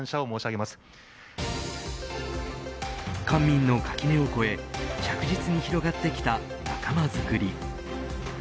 官民の垣根を越え着実に広がってきた仲間づくり。